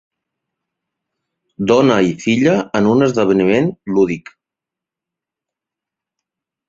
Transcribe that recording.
Dona i filla en un esdeveniment lúdic.